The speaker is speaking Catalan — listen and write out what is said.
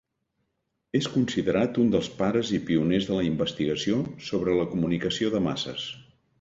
És considerat un dels pares i pioners de la investigació sobre la comunicació de masses.